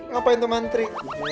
ngapain tuh mantri